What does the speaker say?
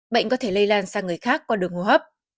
bệnh có thể lây lan sang người khác qua đường hô hấp